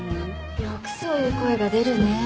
よくそういう声が出るね。